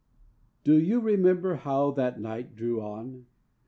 Do you remember how that night drew on?